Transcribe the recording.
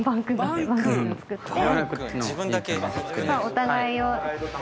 お互いを。